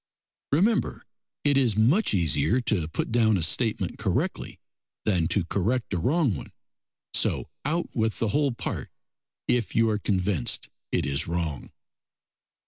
Remember it is much easier to put down a statement correctly than to correct a wrong one; so out with the whole part if you are convinced it is wrong.